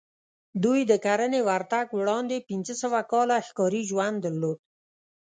دوی د کرنې ورتګ وړاندې پنځه سوه کاله ښکاري ژوند درلود